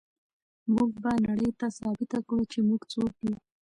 موږ به نړۍ ته ثابته کړو چې موږ څوک یو.